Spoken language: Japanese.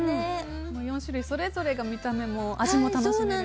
４種類それぞれ見た目も味も楽しめると。